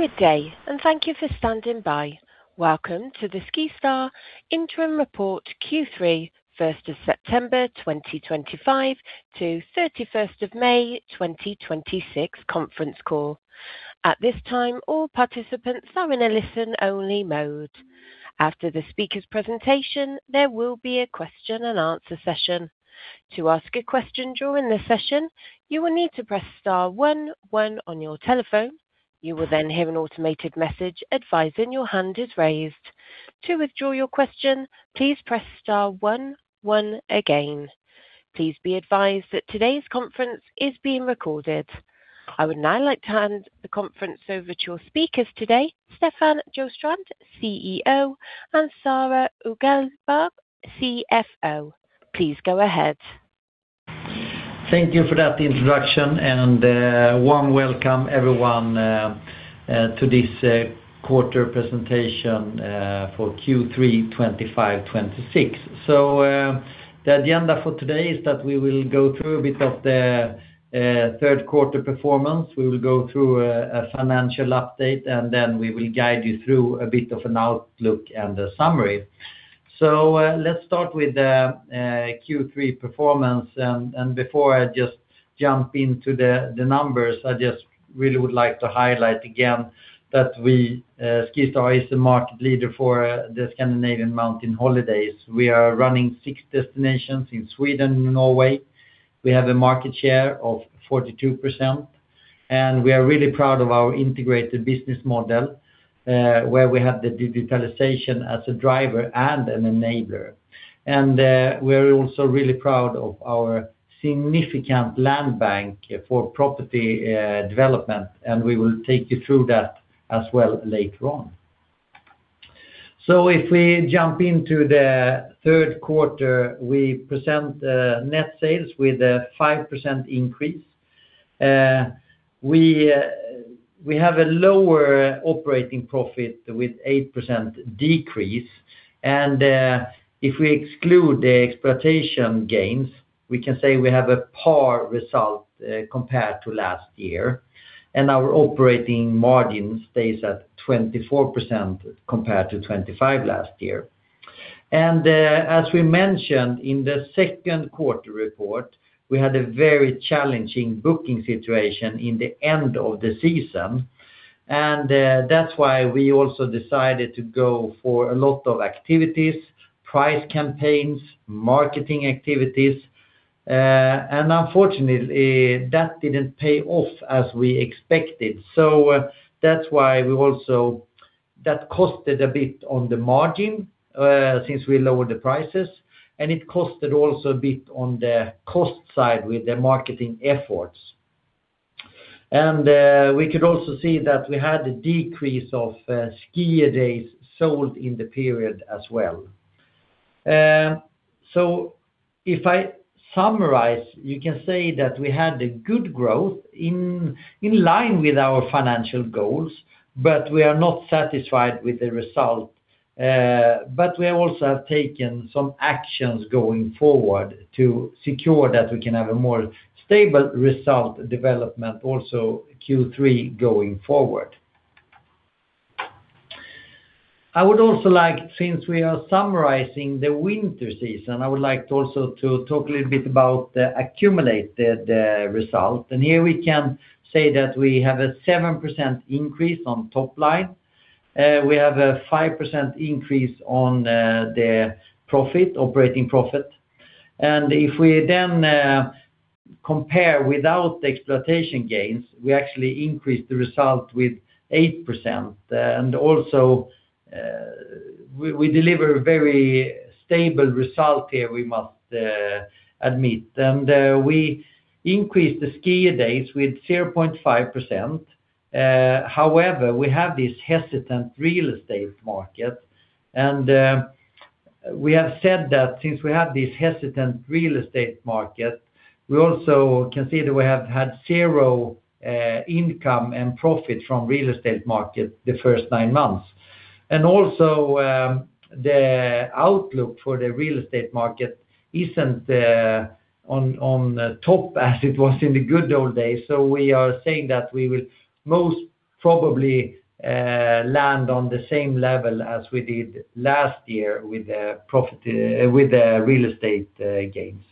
Good day, thank you for standing by. Welcome to the SkiStar Interim Report Q3, September 1st 2025 - May 31st 2026 conference call. At this time, all participants are in a listen-only mode. After the speaker's presentation, there will be a question and answer session. To ask a question during this session, you will need to press star one one on your telephone. You will hear an automated message advising your hand is raised. To withdraw your question, please press star one one again. Please be advised that today's conference is being recorded. I would now like to hand the conference over to your speakers today, Stefan Sjöstrand, CEO, and Sara Uggelberg, CFO. Please go ahead. Thank you for that introduction, warm welcome everyone to this quarter presentation for Q3 25/26. The agenda for today is that we will go through a bit of the Q3 performance. We will go through a financial update. We will guide you through a bit of an outlook and a summary. Let's start with the Q3 performance. Before I just jump into the numbers, I just really would like to highlight again that SkiStar is the market leader for the Scandinavian mountain holidays. We are running six destinations in Sweden and Norway. We have a market share of 42%. We are really proud of our integrated business model, where we have the digitalization as a driver and an enabler. We're also really proud of our significant land bank for property development. We will take you through that as well later on. If we jump into the Q3, we present net sales with a five percent increase. We have a lower operating profit with eight percent decrease. If we exclude the exploitation gains, we can say we have a par result compared to last year. Our operating margin stays at 24% compared to 25 last year. As we mentioned in the Q2 report, we had a very challenging booking situation in the end of the season. That's why we also decided to go for a lot of activities, price campaigns, marketing activities. Unfortunately, that didn't pay off as we expected. That's why that costed a bit on the margin, since we lowered the prices. It costed also a bit on the cost side with the marketing efforts. We could also see that we had a decrease of skier days sold in the period as well. If I summarize, you can say that we had a good growth in line with our financial goals. We are not satisfied with the result. We also have taken some actions going forward to secure that we can have a more stable result development, also Q3 going forward. Since we are summarizing the winter season, I would like also to talk a little bit about the accumulated result. Here we can say that we have a seven percent increase on top line. We have a five percent increase on the operating profit. If we then compare without the exploitation gains, we actually increased the result with eight percent. Also we deliver a very stable result here, we must admit. We increased the skier days with 0.5%. However, we have this hesitant real estate market, we have said that since we have this hesitant real estate market, we also can see that we have had zero income and profit from real estate market the first nine months. Also the outlook for the real estate market isn't on the top as it was in the good old days. We are saying that we will most probably land on the same level as we did last year with the real estate gains.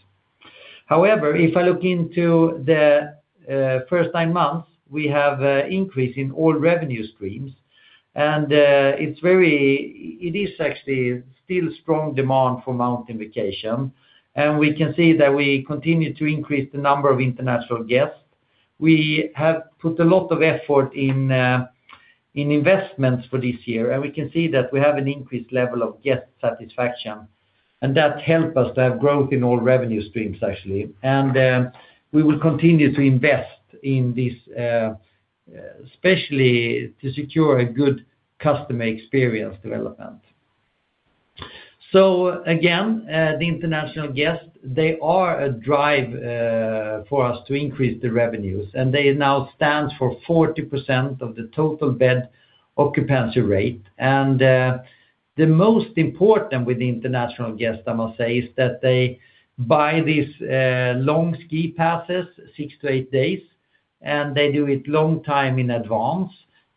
However, if I look into the first nine months, we have increase in all revenue streams, it is actually still strong demand for mountain vacation. We can see that we continue to increase the number of international guests. We have put a lot of effort in investments for this year, we can see that we have an increased level of guest satisfaction and that help us to have growth in all revenue streams, actually. We will continue to invest in this, especially to secure a good customer experience development. Again, the international guests, they are a drive for us to increase the revenues, they now stand for 40% of the total bed-occupancy rate. The most important with the international guest, I must say, is that they buy these long ski passes, six - eight days, they do it long time in advance.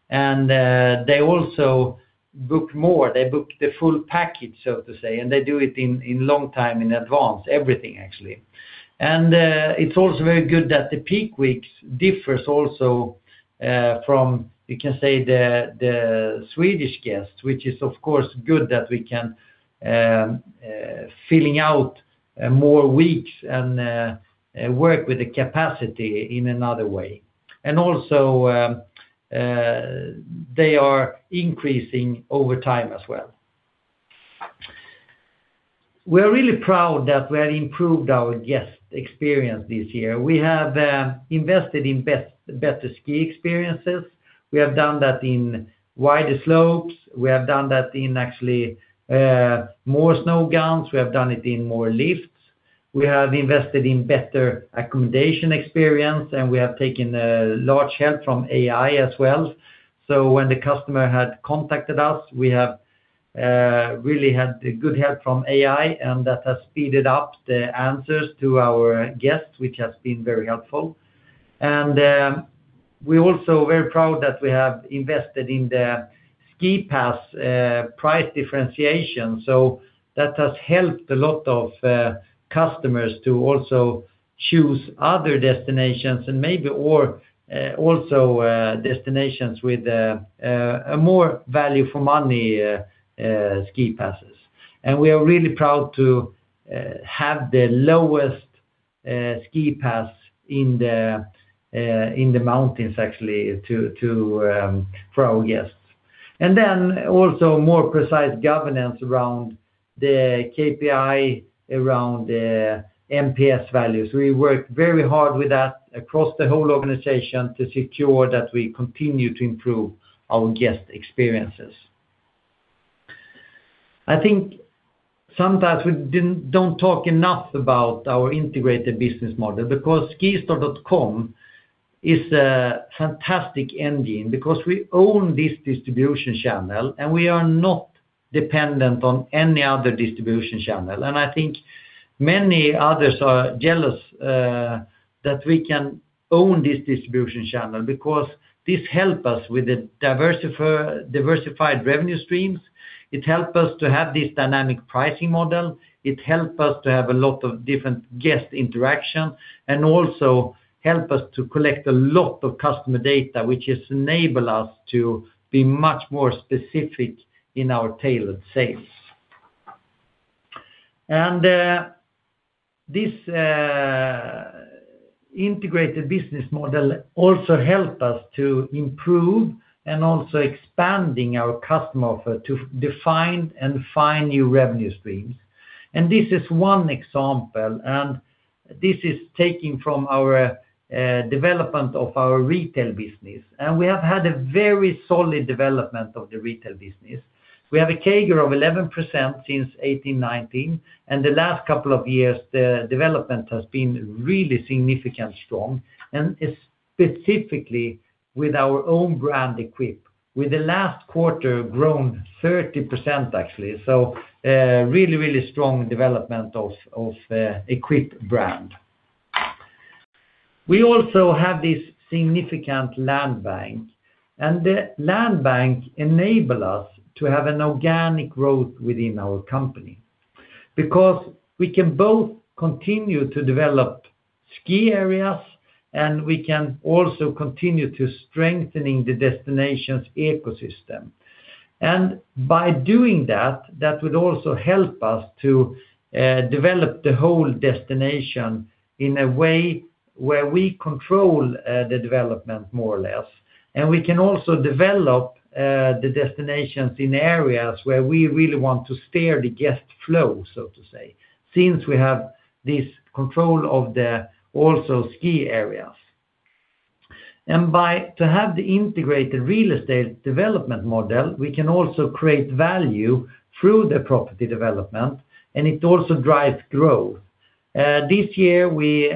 They also book more. They book the full package, so to say, they do it in long time in advance, everything, actually. It's also very good that the peak weeks differs also from, you can say, the Swedish guests, which is, of course, good that we can filling out more weeks and work with the capacity in another way. Also, they are increasing over time as well. We're really proud that we have improved our guest experience this year. We have invested in better ski experiences. We have done that in wider slopes. We have done that in actually more snow guns. We have done it in more lifts. We have invested in better accommodation experience, we have taken large help from AI as well. When the customer had contacted us, we have really had good help from AI, that has speeded up the answers to our guests, which has been very helpful. We're also very proud that we have invested in the ski pass price differentiation. That has helped a lot of customers to also choose other destinations or also destinations with a more value-for-money ski passes. We are really proud to have the lowest ski pass in the mountains, actually, for our guests. Also more precise governance around the KPI, around the NPS values. We work very hard with that across the whole organization to secure that we continue to improve our guest experiences. I think sometimes we don't talk enough about our integrated business model because skistar.com is a fantastic engine because we own this distribution channel, we are not dependent on any other distribution channel. I think many others are jealous that we can own this distribution channel because this help us with the diversified revenue streams. It help us to have this dynamic pricing model. It help us to have a lot of different guest interaction and also help us to collect a lot of customer data, which has enabled us to be much more specific in our tailored sales. This integrated business model also help us to improve and also expanding our customer offer to define and find new revenue streams. This is one example, and this is taking from our development of our retail business. We have had a very solid development of the retail business. We have a CAGR of 11% since 2018/2019, and the last couple of years, the development has been really significant strong, and specifically with our own brand, EQPE. With the last quarter grown 30%, actually. Really, really strong development of EQPE brand. We also have this significant land bank, the land bank enable us to have an organic growth within our company because we can both continue to develop ski areas, and we can also continue to strengthening the destination's ecosystem. By doing that would also help us to develop the whole destination in a way where we control the development more or less. We can also develop the destinations in areas where we really want to steer the guest flow, so to say, since we have this control of the also ski areas. By to have the integrated real estate development model, we can also create value through the property development, and it also drives growth. This year, we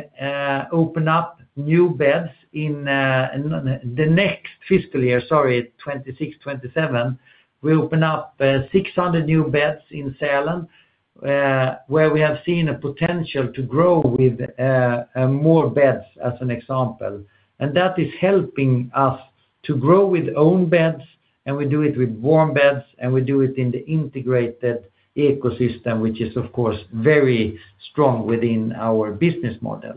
open up new beds in the next fiscal year, sorry, 2026/2027. We open up 600 new beds in Sälen where we have seen a potential to grow with more beds as an example. That is helping us to grow with own beds, and we do it with warm beds, and we do it in the integrated ecosystem, which is, of course, very strong within our business model.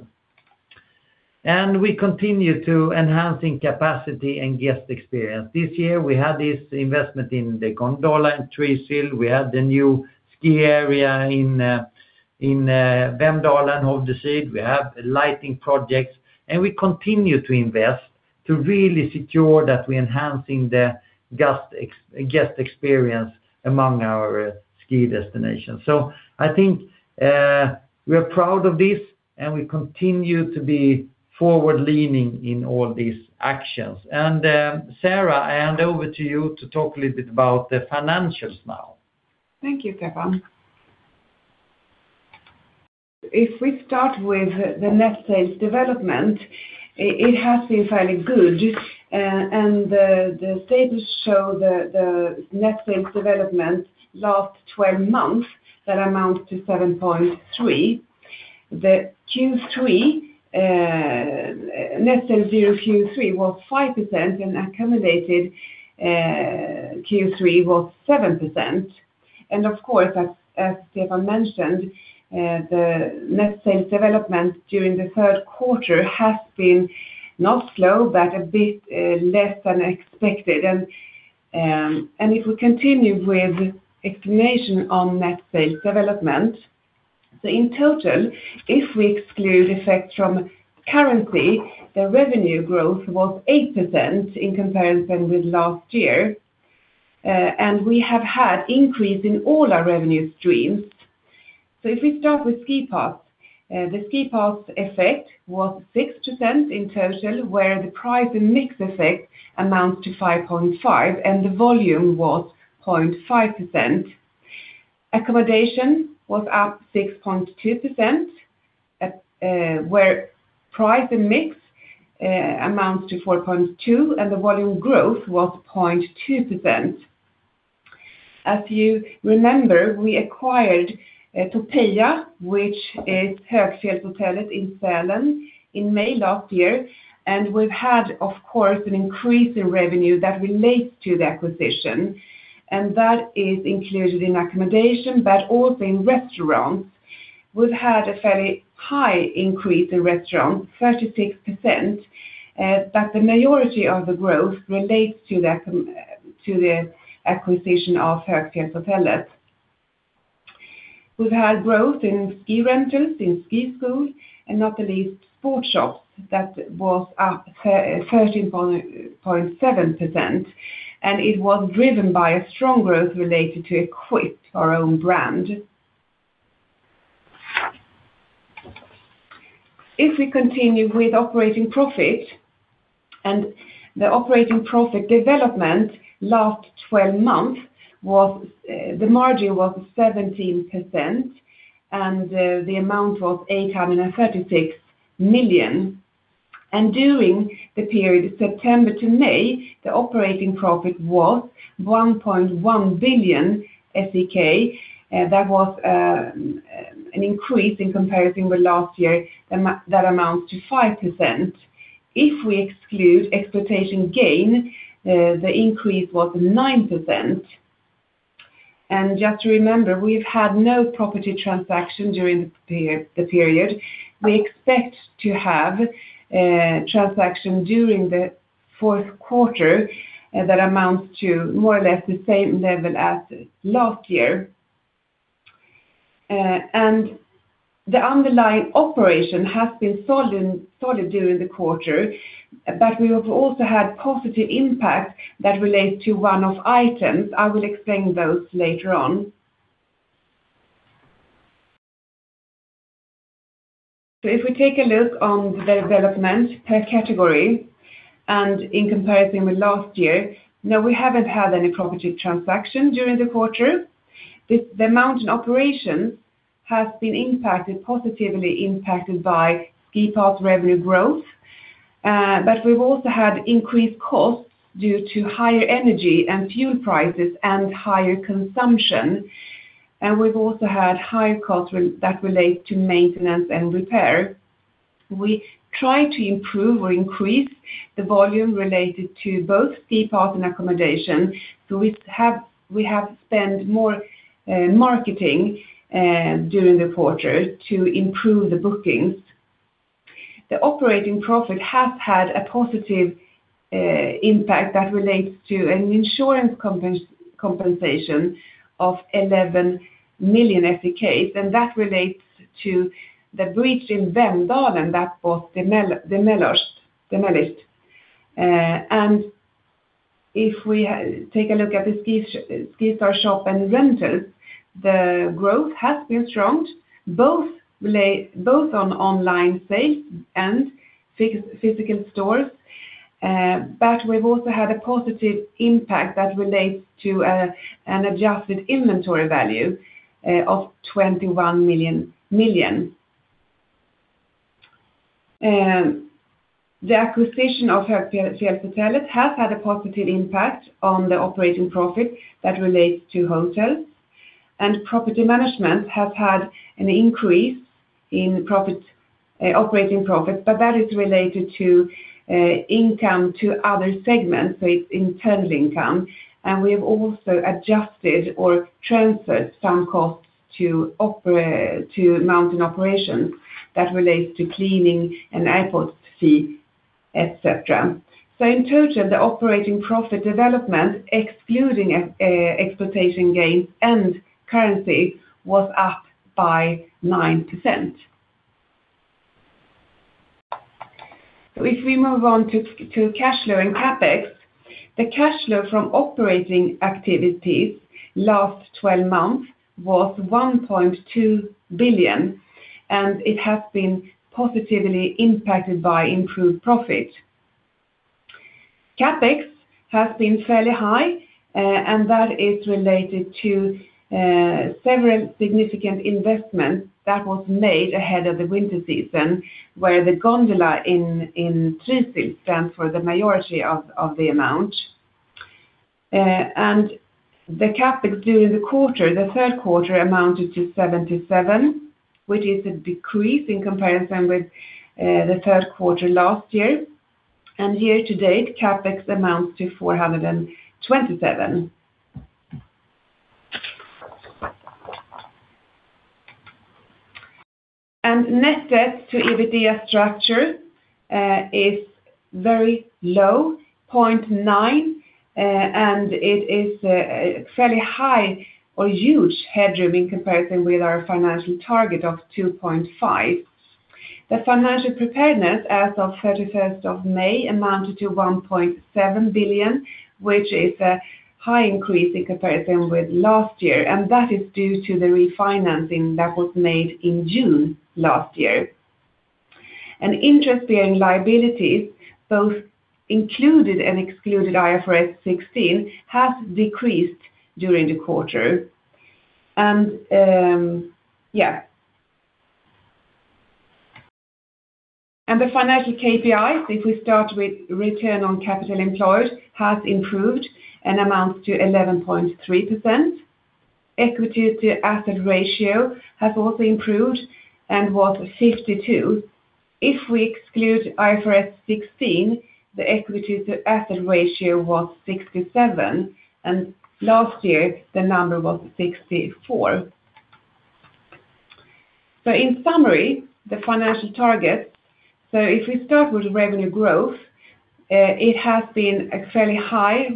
We continue to enhancing capacity and guest experience. This year, we had this investment in the gondola in Trysil. We had the new ski area in Vemdalen, Hovde Syd. We have lighting projects, and we continue to invest to really secure that we enhancing the guest experience among our ski destinations. I think we are proud of this, and we continue to be forward-leaning in all these actions. Sara, I hand over to you to talk a little bit about the financials now. Thank you, Stefan. If we start with the net sales development, it has been fairly good. The status show the net sales development last 12 months that amount to 7.3%. The Q3 net sales year Q3 was five percent and accommodated Q3 was seven percent. Of course, as Stefan mentioned, the net sales development during the Q3 has been not slow, but a bit less than expected. If we continue with explanation on net sales development, in total, if we exclude effect from currency, the revenue growth was eight percent in comparison with last year. We have had increase in all our revenue streams. If we start with ski pass, the ski pass effect was six percent in total, where the price and mix effect amounts to 5.5%, and the volume was 0.5%. Accommodation was up 6.2%, where price and mix amounts to 4.2%, and the volume growth was 0.2%. As you remember, we acquired Topeja, which is Högfjällshotellet in Sälen in May last year, and we've had, of course, an increase in revenue that relates to the acquisition, and that is included in accommodation, but also in restaurants. We've had a fairly high increase in restaurants, 36%, but the majority of the growth relates to the acquisition of Högfjällshotellet. We've had growth in ski rentals, in ski schools, and not the least sports shops that was up 13.7%, and it was driven by a strong growth related to EQPE, our own brand. If we continue with operating profit and the operating profit development last 12 months, the margin was 17%, and the amount was 836 million. During the period September to May, the operating profit was 1.1 billion SEK. That was an increase in comparison with last year that amount to five percent. If we exclude exploitation gain, the increase was 9%. Just to remember, we've had no property transaction during the period. We expect to have a transaction during the Q4 that amounts to more or less the same level as last year. The underlying operation has been solid during the quarter, but we have also had positive impact that relates to one-off items. I will explain those later on. If we take a look on the development per category and in comparison with last year, now we haven't had any property transaction during the quarter. The mountain operations has been positively impacted by ski pass revenue growth. We've also had increased costs due to higher energy and fuel prices and higher consumption. We've also had higher costs that relate to maintenance and repair. We try to improve or increase the volume related to both ski pass and accommodation. We have spent more marketing during the quarter to improve the bookings. The operating profit has had a positive impact that relates to an insurance compensation of 11 million SEK. That relates to the bridge in Vemdalen that was demolished. If we take a look at the SkiStar shop and rentals, the growth has been strong, both on online sale and physical stores. We've also had a positive impact that relates to an adjusted inventory value of SEK 21 million. The acquisition of Högfjällshotellet has had a positive impact on the operating profit that relates to hotels. Property management has had an increase in operating profit, but that is related to income to other segments, so it's internal income. We have also adjusted or transferred some costs to mountain operations that relates to cleaning and airport fee, et cetera. In total, the operating profit development, excluding exploitation gain and currency, was up by nine percent. If we move on to cash flow and CapEx, the cash flow from operating activities last 12 months was 1.2 billion, and it has been positively impacted by improved profit. CapEx has been fairly high, and that is related to several significant investments that was made ahead of the winter season, where the gondola in Trysil stands for the majority of the amount. The CapEx during the quarter, the Q3, amounted to 77 million, which is a decrease in comparison with the Q3 last year. Year to date, CapEx amounts to 427 million. Net debt to EBITDA structure is very low, 0.9, and it is fairly high or huge headroom in comparison with our financial target of 2.5. The financial preparedness as of 31st of May amounted to 1.7 billion, which is a high increase in comparison with last year, and that is due to the refinancing that was made in June last year. Interest-bearing liabilities, both included and excluded IFRS 16, has decreased during the quarter. The financial KPIs, if we start with return on capital employed, has improved and amounts to 11.3%. Equity to asset ratio has also improved and was 52%. If we exclude IFRS 16, the equity to asset ratio was 67%, and last year the number was 64%. In summary, the financial targets. If we start with revenue growth, it has been a fairly high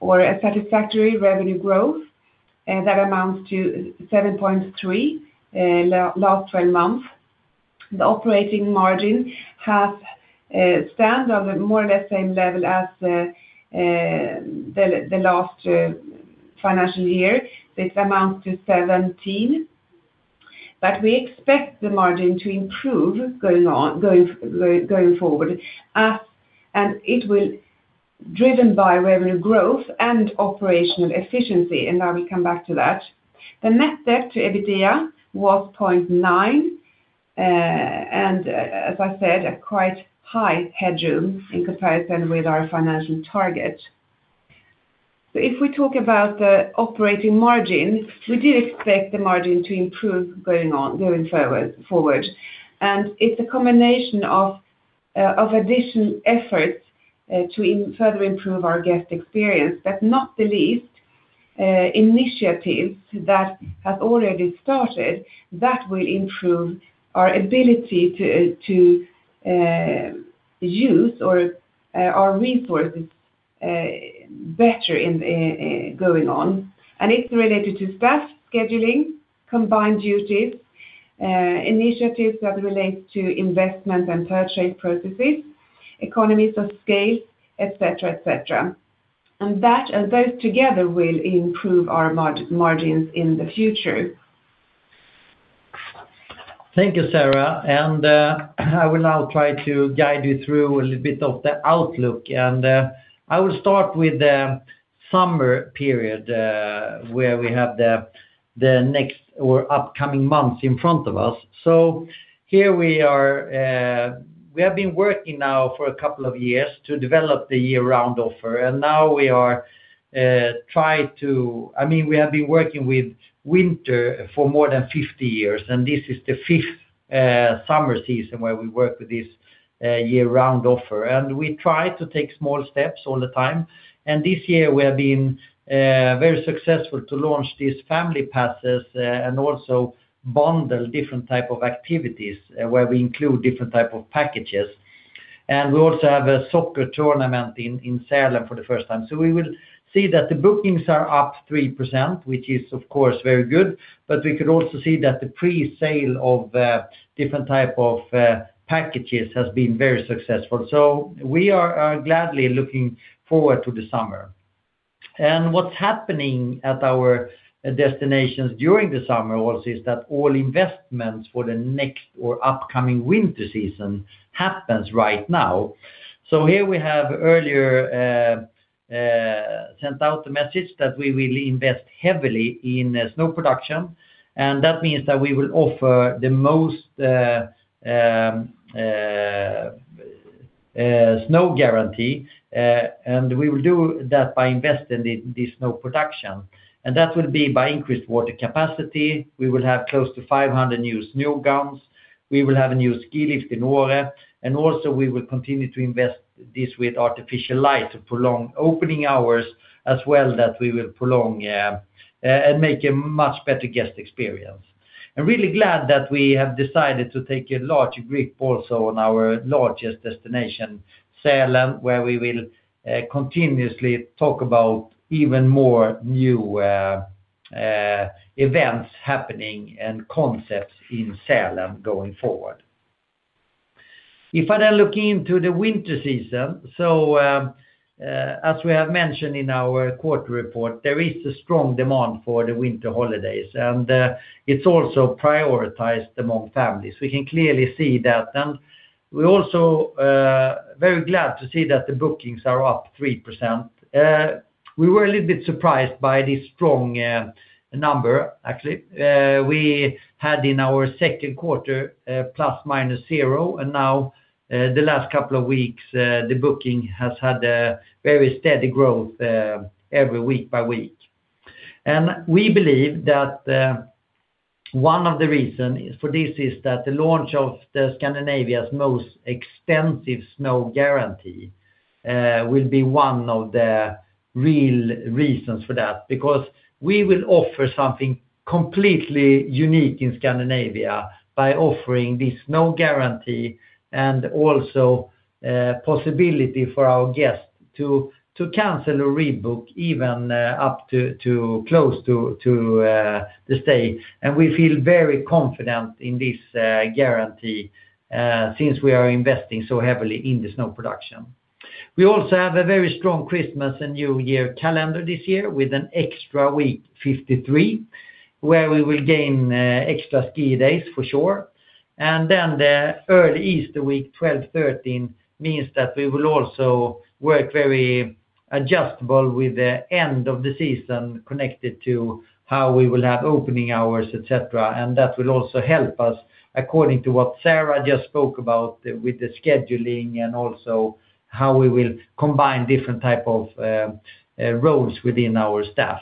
or a satisfactory revenue growth, and that amounts to 7.3% last 12 months. The operating margin has stand on more or less same level as the last financial year. This amounts to 17%. We expect the margin to improve going forward. It will, driven by revenue growth and operational efficiency, and I will come back to that. The net debt to EBITDA was 0.9, as I said, a quite high headroom in comparison with our financial target. If we talk about the operating margin, we do expect the margin to improve going forward. It's a combination of additional efforts to further improve our guest experience, but not the least, initiatives that have already started that will improve our ability to use our resources better going on. It's related to staff scheduling, combined duties, initiatives that relate to investment and purchasing processes, economies of scale, et cetera. Those together will improve our margins in the future. Thank you, Sara. I will now try to guide you through a little bit of the outlook. I will start with the summer period, where we have the next or upcoming months in front of us. Here we are. We have been working now for a couple of years to develop the year-round offer. We have been working with winter for more than 50 years, and this is the fifth summer season where we work with this year-round offer. We try to take small steps all the time. This year we have been very successful to launch these family passes and also bundle different type of activities, where we include different type of packages. We also have a soccer tournament in Sälen for the first time. We will see that the bookings are up three percent, which is, of course, very good. We could also see that the presale of different type of packages has been very successful. We are gladly looking forward to the summer. What's happening at our destinations during the summer also is that all investments for the next or upcoming winter season happens right now. Here we have earlier sent out the message that we will invest heavily in snow production, and that means that we will offer the most snow guarantee, and we will do that by investing in the snow production. That will be by increased water capacity. We will have close to 500 new snow guns. We will have a new ski lift in Åre, also we will continue to invest this with artificial light to prolong opening hours as well that we will prolong and make a much better guest experience. I'm really glad that we have decided to take a large grip also on our largest destination, Sälen, where we will continuously talk about even more new events happening and concepts in Sälen going forward. If I then look into the winter season. As we have mentioned in our quarter report, there is a strong demand for the winter holidays, and it's also prioritized among families. We can clearly see that. We're also very glad to see that the bookings are up three percent. We were a little bit surprised by this strong number, actually. We had in our Q2, plus minus zero, and now, the last couple of weeks, the booking has had a very steady growth every week by week. We believe that one of the reason for this is that the launch of the Scandinavia's most extensive snow guarantee will be one of the real reasons for that, because we will offer something completely unique in Scandinavia by offering this snow guarantee and also possibility for our guests to cancel or rebook even up to close to the stay. We feel very confident in this guarantee since we are investing so heavily in the snow production. We also have a very strong Christmas and New Year calendar this year with an extra week, 53, where we will gain extra ski days for sure. The early Easter week 12/13 means that we will also work very adjustable with the end of the season connected to how we will have opening hours, et cetera. That will also help us according to what Sara just spoke about with the scheduling and also how we will combine different type of roles within our staff.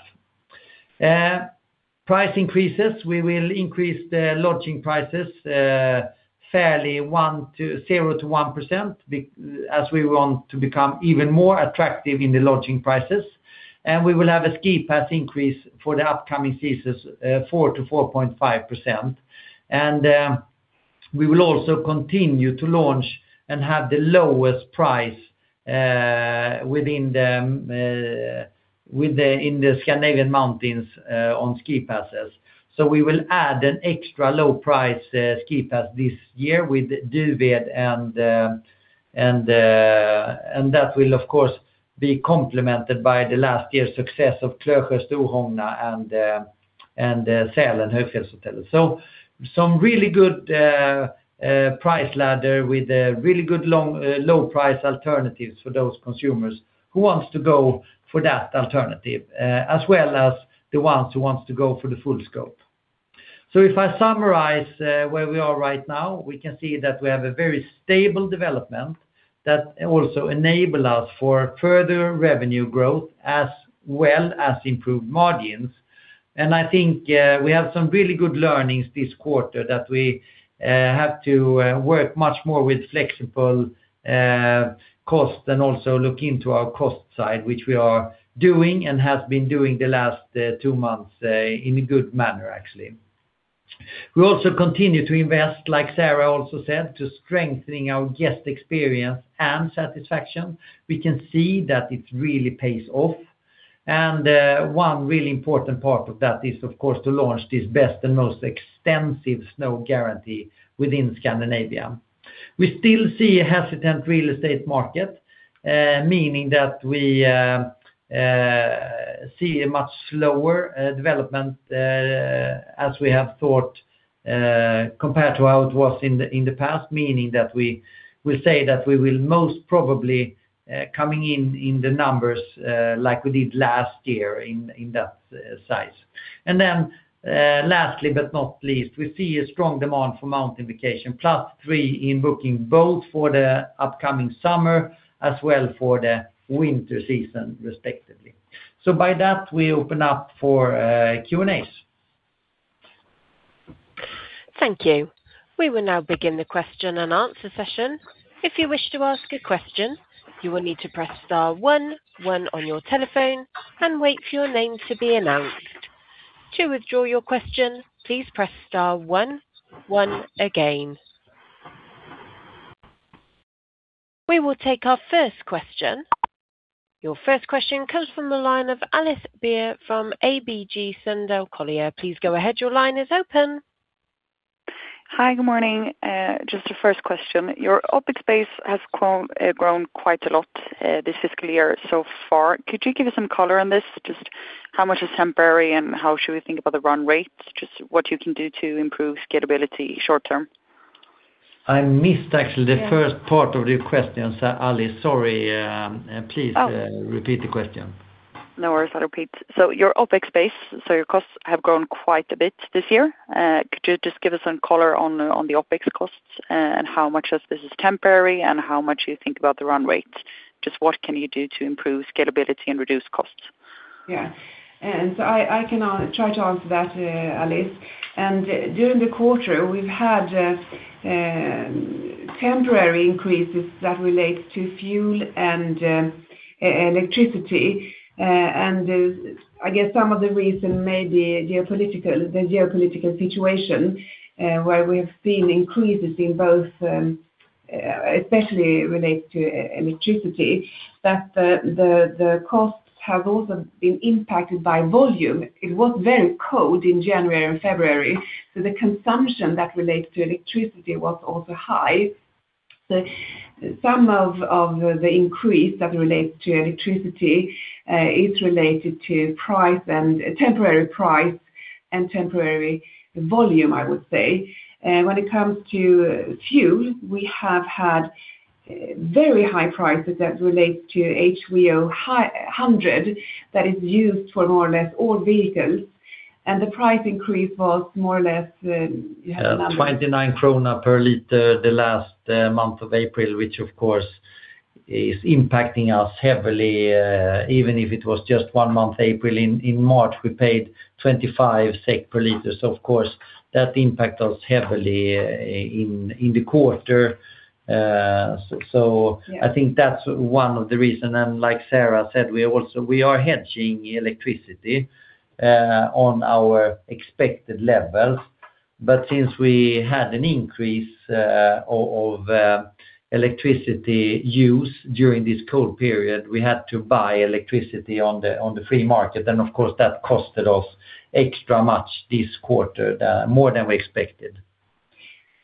Price increases, we will increase the lodging prices fairly 0%-1% as we want to become even more attractive in the lodging prices. We will have a ski pass increase for the upcoming seasons, 4%-4.5%. We will also continue to launch and have the lowest price in the Scandinavian mountains on ski passes. We will add an extra low price ski pass this year with Duved. That will, of course, be complemented by the last year's success of Klövsjö, Storhogna and Sälen Högfjällshotellet. some really good price ladder with really good low price alternatives for those consumers who wants to go for that alternative, as well as the ones who wants to go for the full scope. If I summarize where we are right now, we can see that we have a very stable development that also enable us for further revenue growth as well as improved margins. I think we have some really good learnings this quarter that we have to work much more with flexible costs and also look into our cost side, which we are doing and have been doing the last two months in a good manner actually. We also continue to invest, like Sara also said, to strengthening our guest experience and satisfaction. We can see that it really pays off. one really important part of that is, of course, to launch this best and most extensive snow guarantee within Scandinavia. We still see hesitant real estate market, meaning that we see a much slower development as we have thought compared to how it was in the past, meaning that we will say that we will most probably coming in in the numbers like we did last year in that size. Lastly but not least, we see a strong demand for mountain vacation, plus three in booking, both for the upcoming summer as well for the winter season respectively. By that, we open up for Q&As. Thank you. We will now begin the question and answer session. If you wish to ask a question, you will need to press star one one on your telephone and wait for your name to be announced. To withdraw your question, please press star one one again. We will take our first question. Your first question comes from the line of Alice Beer from ABG Sundal Collier. Please go ahead. Your line is open. Hi, good morning. Just a first question. Your OpEx base has grown quite a lot this fiscal year so far. Could you give us some color on this? Just how much is temporary and how should we think about the run rate? Just what you can do to improve scalability short term. I missed actually the first part of your question, Alice. Sorry. Please repeat the question. No worries. I repeat. Your OpEx base, your costs have grown quite a bit this year. Could you just give us some color on the OpEx costs and how much of this is temporary and how much you think about the run rate? Just what can you do to improve scalability and reduce costs? Yeah. I can try to answer that, Alice. During the quarter, we've had temporary increases that relate to fuel and electricity. I guess some of the reason may be the geopolitical situation, where we've seen increases in both, especially related to electricity, that the costs have also been impacted by volume. It was very cold in January and February, the consumption that relates to electricity was also high. Some of the increase that relates to electricity is related to temporary price and temporary volume, I would say. When it comes to fuel, we have had very high prices that relate to HVO 100 that is used for more or less all vehicles, and the price increase was more or less, you have the numbers. 29 krona per liter the last month of April, which of course is impacting us heavily. Even if it was just one month, April. In March, we paid 25 SEK per liter. Of course, that impact us heavily in the quarter. Yeah. I think that's one of the reason. Like Sara said, we are hedging electricity on our expected levels. Since we had an increase of electricity use during this cold period, we had to buy electricity on the free market. Of course, that costed us extra much this quarter, more than we expected.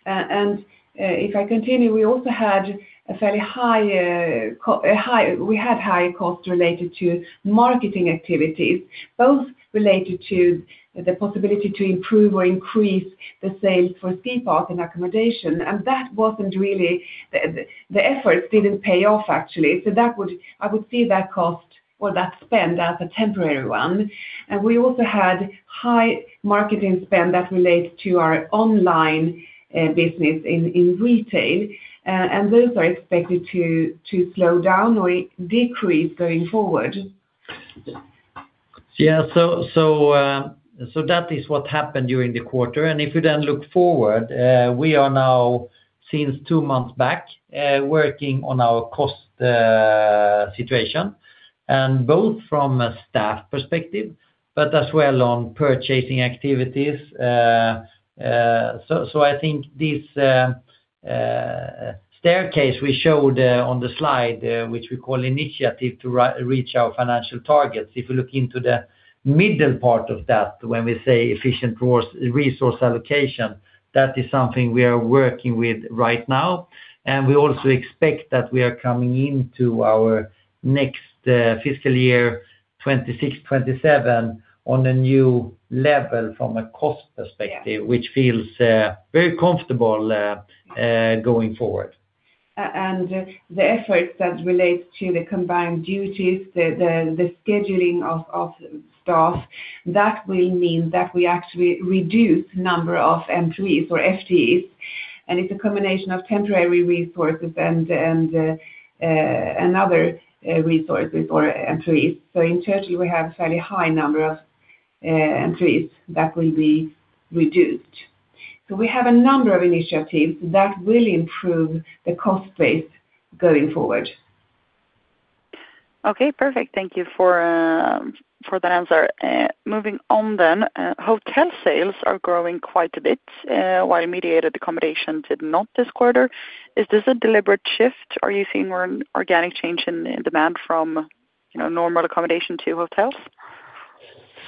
If I continue, we also had high costs related to marketing activities, both related to the possibility to improve or increase the sales for ski pass and accommodation. The efforts didn't pay off, actually. I would see that cost or that spend as a temporary one. We also had high marketing spend that relates to our online business in retail. Those are expected to slow down or decrease going forward. That is what happened during the quarter. If you then look forward, we are now, since two months back, working on our cost situation, both from a staff perspective, but as well on purchasing activities. I think this staircase we showed on the slide, which we call initiative to reach our financial targets. If you look into the middle part of that, when we say efficient resource allocation, that is something we are working with right now. We also expect that we are coming into our next fiscal year 2026/2027 on a new level from a cost perspective. Yeah. Which feels very comfortable going forward. The efforts that relates to the combined duties, the scheduling of staff, that will mean that we actually reduce number of employees or FTEs, and it's a combination of temporary resources and other resources or employees. In total, we have fairly high number of employees that will be reduced. We have a number of initiatives that will improve the cost base going forward. Okay, perfect. Thank you for that answer. Moving on then. Hotel sales are growing quite a bit, while mediated accommodation did not this quarter. Is this a deliberate shift? Are you seeing more organic change in demand from normal accommodation to hotels?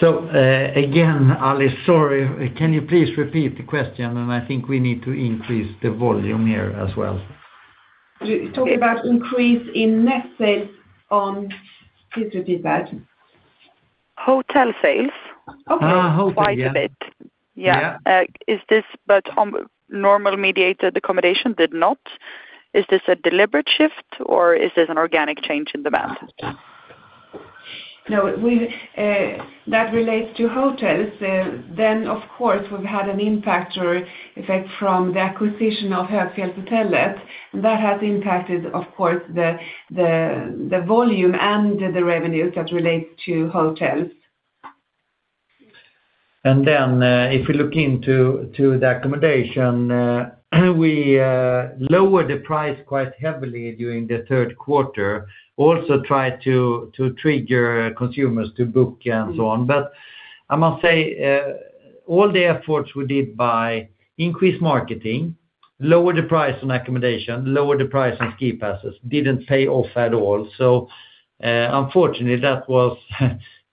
Again, Alice, sorry, can you please repeat the question? I think we need to increase the volume here as well. You're talking about increase in net sales. This will be bad. Hotel sales. Okay. Hotel, yeah. Quite a bit. Yeah. Normal mediated accommodation did not. Is this a deliberate shift, or is this an organic change in demand? No, that relates to hotels. Of course, we've had an impact or effect from the acquisition of Högfjällshotellet, that has impacted, of course, the volume and the revenues that relate to hotels. If you look into the accommodation, we lowered the price quite heavily during the Q3. Also tried to trigger consumers to book and so on. I must say, all the efforts we did by increased marketing, lower the price on accommodation, lower the price on ski passes, didn't pay off at all. Unfortunately, that was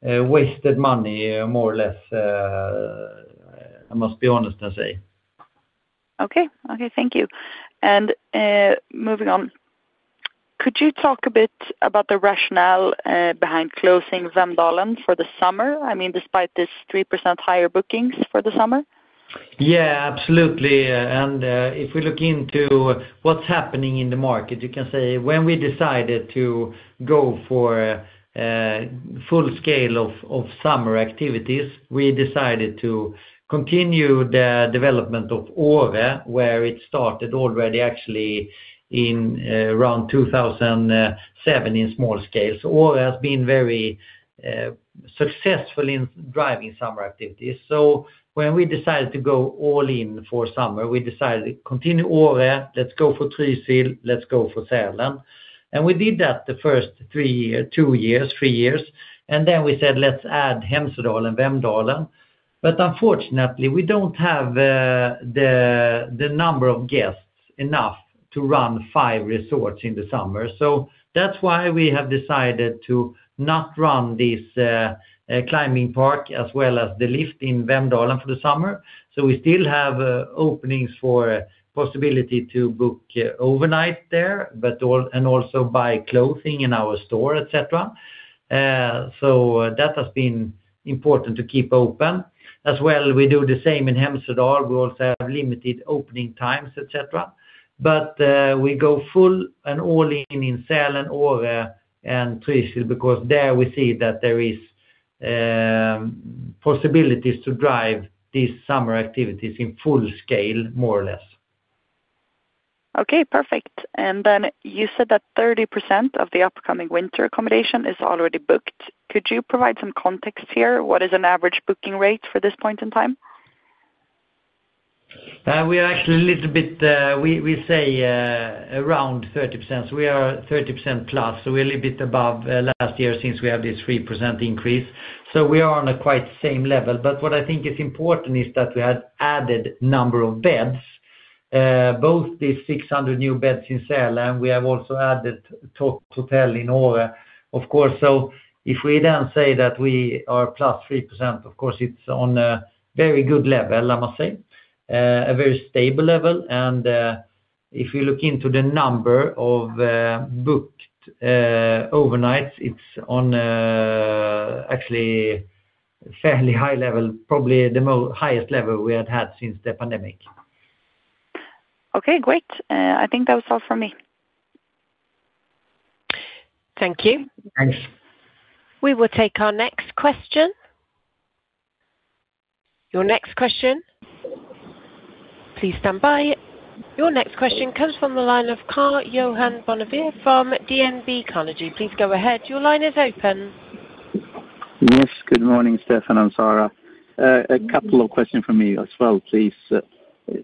wasted money more or less, I must be honest and say. Okay. Thank you. Moving on. Could you talk a bit about the rationale behind closing Vemdalen for the summer? Despite this three percent higher bookings for the summer? Yeah, absolutely. If we look into what's happening in the market, you can say when we decided to go for full scale of summer activities, we decided to continue the development of Åre, where it started already actually in around 2007 in small scale. When we decided to go all in for summer, we decided to continue Åre, let's go for Trysil, let's go for Sälen. We did that the first two years, three years, then we said, "Let's add Hemsedal and Vemdalen." Unfortunately, we don't have the number of guests enough to run five resorts in the summer. That's why we have decided to not run this climbing park as well as the lift in Vemdalen for the summer. We still have openings for possibility to book overnight there, and also buy clothing in our store, et cetera. That has been important to keep open. As well, we do the same in Hemsedal, Åre. We also have limited opening times, et cetera. We go full and all-in in Sälen, Åre, and Trysil, because there we see that there is possibilities to drive these summer activities in full scale, more or less. Okay, perfect. Then you said that 30% of the upcoming winter accommodation is already booked. Could you provide some context here? What is an average booking rate for this point in time? We are actually a little bit. We say around 30%. We are 30% plus. We're a little bit above last year since we have this three percent increase. We are on a quite same level. What I think is important is that we had added number of beds, both the 600 new beds in Sälen. We have also added top hotel in Åre, of course. If we then say that we are plus three percent, of course, it's on a very good level, I must say. A very stable level. If you look into the number of booked overnights, it's on actually fairly high level, probably the highest level we had since the pandemic. Okay, great. I think that was all from me. Thank you. Thanks. We will take our next question. Your next question. Please stand by. Your next question comes from the line of Karl-Johan Bonnevier from DNB Carnegie. Please go ahead. Your line is open. Yes, good morning, Stefan and Sara. A couple of questions from me as well, please.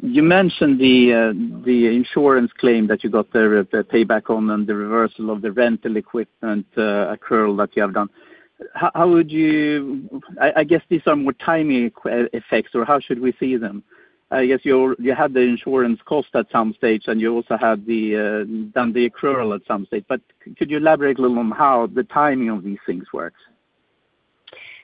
You mentioned the insurance claim that you got the payback on and the reversal of the rental equipment accrual that you have done. I guess these are more timing effects or how should we see them? I guess you had the insurance cost at some stage, and you also had done the accrual at some stage. Could you elaborate a little on how the timing of these things works?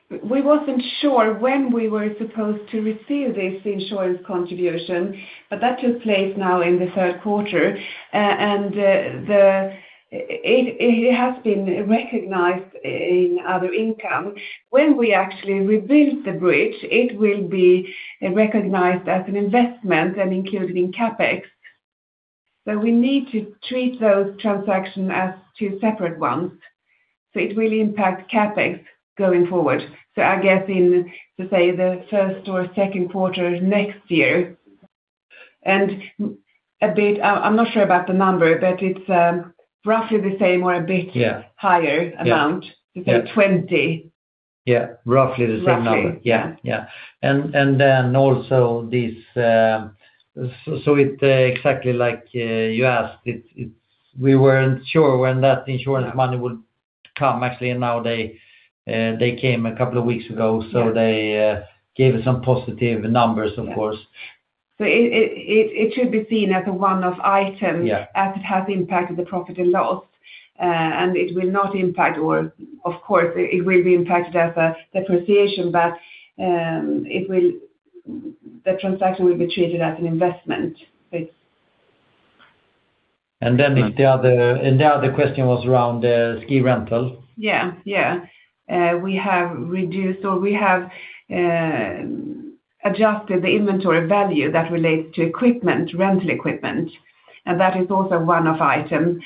We weren't sure when we were supposed to receive this insurance contribution, that took place now in the third quarter. It has been recognized in other income. When we actually rebuild the bridge, it will be recognized as an investment and included in CapEx. We need to treat those transactions as two separate ones. I guess in, say, the Q1 or Q2 next year. I'm not sure about the number, but it's roughly the same. Yeah higher amount. Yeah. You say 20. Yeah, roughly the same number. Roughly. Yeah. Yeah. It exactly like you asked, we weren't sure when that insurance money would come, actually. Now they came a couple of weeks ago. Yeah. They gave us some positive numbers, of course. It should be seen as a one-off item. Yeah as it has impacted the profit and loss. It will not impact. Of course, it will be impacted as a depreciation, but the transaction will be treated as an investment. The other question was around ski rental. We have reduced or we have adjusted the inventory value that relates to equipment, rental equipment. That is also one-off item.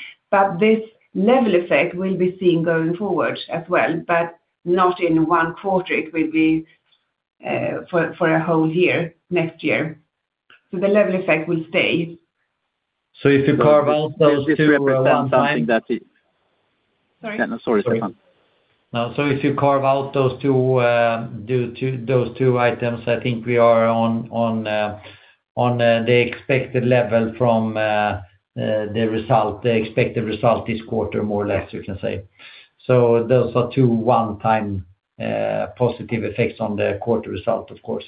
This level effect we'll be seeing going forward as well, but not in one quarter. It will be for a whole year next year. The level effect will stay. If you carve out those two- This represent something that it Sorry. Yeah, sorry, Stefan. No. If you carve out those two items, I think we are on the expected level from the expected result this quarter, more or less, we can say. Those are two one-time positive effects on the quarter result, of course.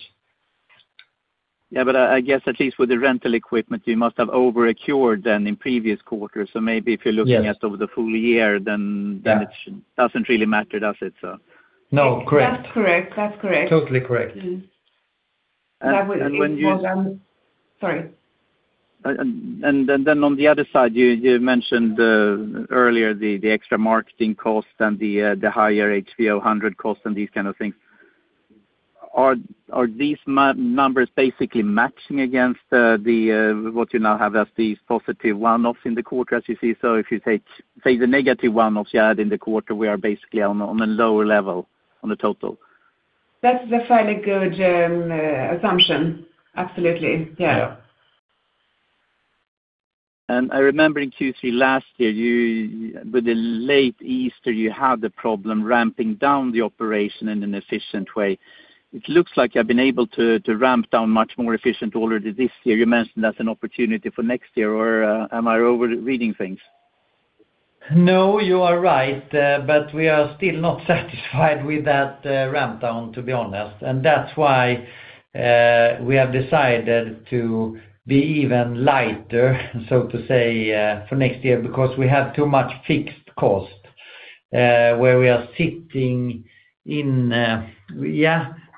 Yeah, I guess at least with the rental equipment, you must have over-accrued then in previous quarters. Maybe if you're looking at over the full year, then- Yeah it doesn't really matter, does it? No, correct. That's correct. Totally correct. Mm-hmm. That will be more than. And when you- Sorry. On the other side, you mentioned earlier the extra marketing cost and the higher HVO 100 cost and these kind of things. Are these numbers basically matching against what you now have as these positive one-offs in the quarter as you see? If you take the negative one-offs you had in the quarter, we are basically on a lower level on the total. That's a fairly good assumption. Absolutely. Yeah. I remember in Q3 last year, with the late Easter, you had the problem ramping down the operation in an efficient way. It looks like you have been able to ramp down much more efficient already this year. You mentioned that's an opportunity for next year, or am I over-reading things? You are right. We are still not satisfied with that ramp down, to be honest. That's why we have decided to be even lighter, so to say, for next year, because we have too much fixed cost where we are sitting in.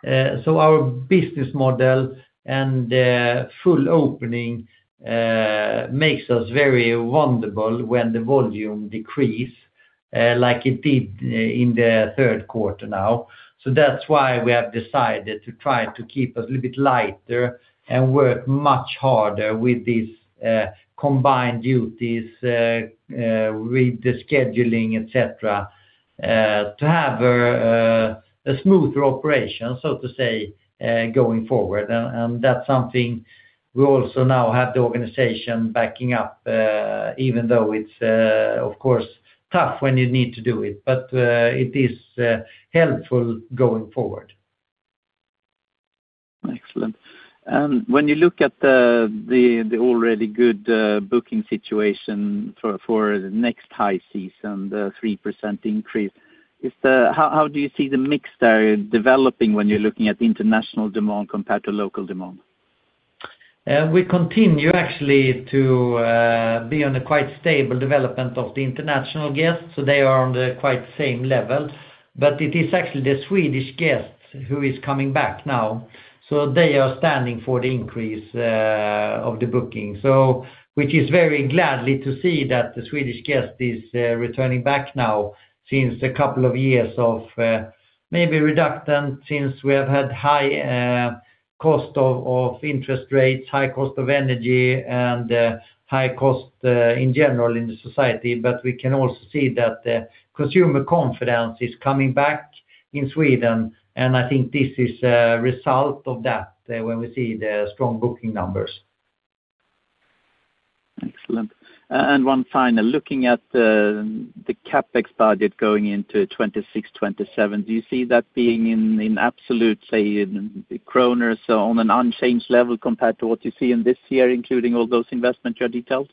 Our business model and full opening makes us very vulnerable when the volume decrease. Like it did in the Q3 now. That's why we have decided to try to keep a little bit lighter and work much harder with these combined duties, with the scheduling, et cetera, to have a smoother operation, so to say, going forward. That's something we also now have the organization backing up, even though it's, of course, tough when you need to do it. It is helpful going forward. Excellent. When you look at the already good booking situation for the next high season, the three percent increase. How do you see the mix there developing when you're looking at international demand compared to local demand? We continue actually to be on a quite stable development of the international guests. They are on the quite same level. It is actually the Swedish guests who is coming back now. They are standing for the increase of the booking. Which is very gladly to see that the Swedish guest is returning back now since a couple of years of maybe reductant since we have had high cost of interest rates, high cost of energy and high cost in general in the society. We can also see that consumer confidence is coming back in Sweden, and I think this is a result of that when we see the strong booking numbers. Excellent. One final, looking at the CapEx budget going into 2026, 2027, do you see that being in absolute, say, in SEK on an unchanged level compared to what you see in this year, including all those investment you detailed?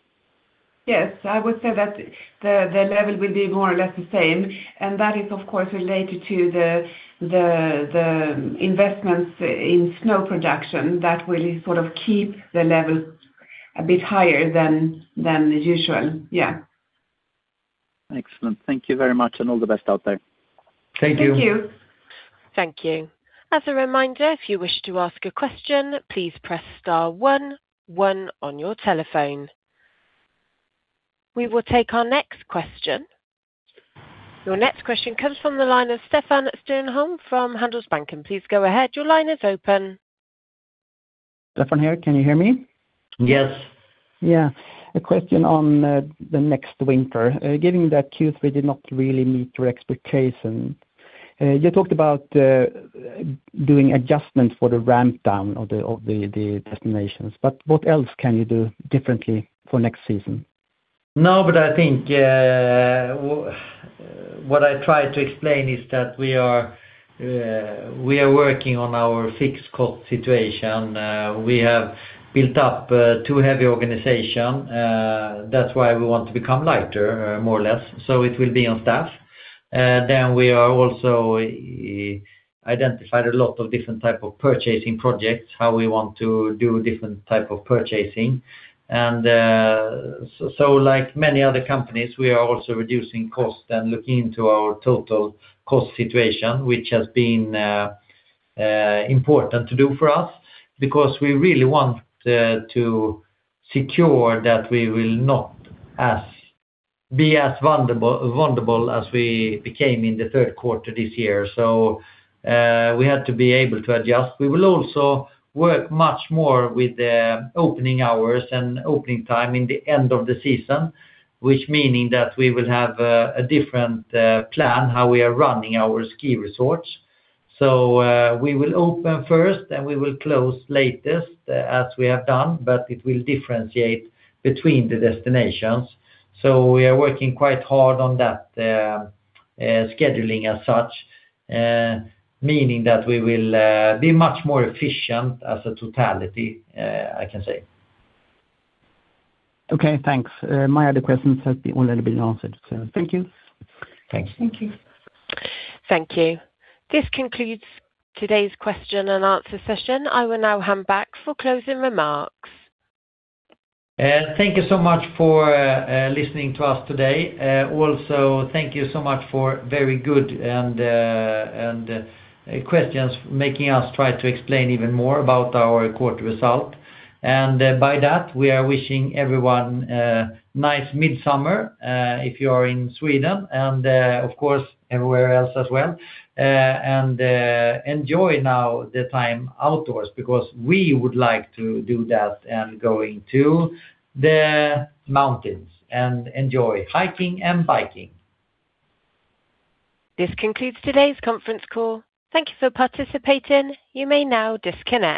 Yes, I would say that the level will be more or less the same. That is, of course, related to the investments in snow production that will sort of keep the levels a bit higher than usual. Yeah. Excellent. Thank you very much and all the best out there. Thank you. Thank you. Thank you. As a reminder, if you wish to ask a question, please press star one one on your telephone. We will take our next question. Your next question comes from the line of Stefan Stjernholm from Handelsbanken. Please go ahead. Your line is open. Yeah. Stefan here. Can you hear me? Yes. A question on the next winter. Given that Q3 did not really meet your expectation. You talked about doing adjustments for the ramp down of the destinations. What else can you do differently for next season? I think what I try to explain is that we are working on our fixed cost situation. We have built up too heavy organization. That's why we want to become lighter, more or less. It will be on staff. We are also identified a lot of different type of purchasing projects, how we want to do different type of purchasing. Like many other companies, we are also reducing cost and looking into our total cost situation, which has been important to do for us because we really want to secure that we will not be as vulnerable as we became in the third quarter this year. We had to be able to adjust. We will also work much more with the opening hours and opening time in the end of the season, which meaning that we will have a different plan how we are running our ski resorts. We will open first, then we will close latest as we have done, but it will differentiate between the destinations. We are working quite hard on that scheduling as such, meaning that we will be much more efficient as a totality, I can say. Okay, thanks. My other questions have already been answered. Thank you. Thanks. Thank you. Thank you. This concludes today's question and answer session. I will now hand back for closing remarks. Thank you so much for listening to us today. Also, thank you so much for very good questions making us try to explain even more about our quarter result. By that, we are wishing everyone a nice midsummer, if you are in Sweden, and, of course, everywhere else as well. Enjoy now the time outdoors, because we would like to do that and going to the mountains and enjoy hiking and biking. This concludes today's conference call. Thank you for participating. You may now disconnect.